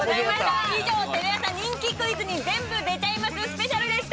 以上『テレ朝人気クイズに全部出ちゃいますスペシャル』でした！